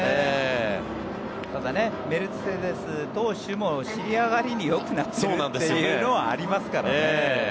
ただ、メルセデス投手も尻上がりによくなっているというのはありますからね。